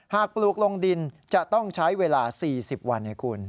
ปลูกลงดินจะต้องใช้เวลา๔๐วันให้คุณ